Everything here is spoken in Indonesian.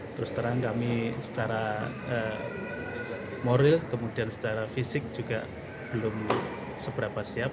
terus terang kami secara moral kemudian secara fisik juga belum seberapa siap